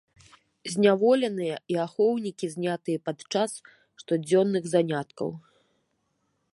Зняволеныя і ахоўнікі знятыя падчас штодзённых заняткаў.